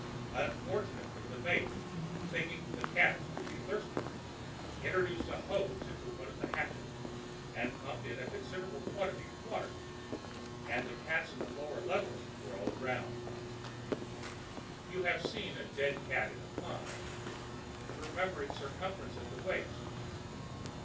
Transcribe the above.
Unfortunately the mate, thinking the cats would be thirsty, introduced a hose into one of the hatches and pumped in a considerable quantity of water, and the cats of the lower levels were all drowned. You have seen a dead cat in a pond: you remember its circumference at the waist.